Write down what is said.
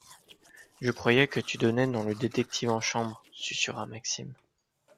Je croyais que tu donnais dans le détective en chambre ? susurra Maxime.